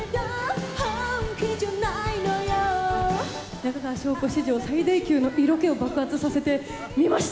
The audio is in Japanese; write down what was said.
中川翔子史上、最大級の色気を爆発させてみました。